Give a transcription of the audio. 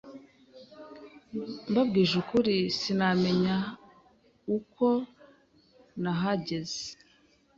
Mbabwije ukuri, sinamenye uko nahageze